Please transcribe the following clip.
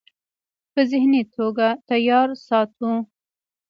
پۀ ذهني توګه تيار ساتو -